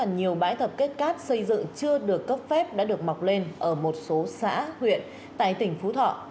nhiều bãi tập kết cát xây dựng chưa được cấp phép đã được mọc lên ở một số xã huyện tại tỉnh phú thọ